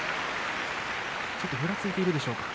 ちょっとぐらついているでしょうか。